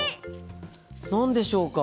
何でしょうか？